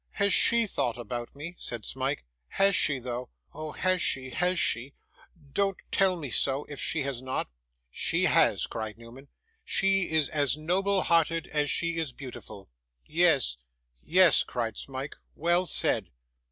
Has SHE thought about me?' said Smike. 'Has she though? oh, has she, has she? Don't tell me so if she has not.' 'She has,' cried Newman. 'She is as noble hearted as she is beautiful.' 'Yes, yes!' cried Smike. 'Well said!